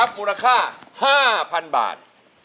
มูลค่า๕๐๐๐บาท